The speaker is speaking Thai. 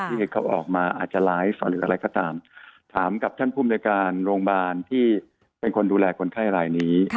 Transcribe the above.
ที่เขาออกมาอาจจะไลฟ์หรืออะไรก็ตามถามกับท่านภูมิในการโรงพยาบาลที่เป็นคนดูแลคนไข้รายนี้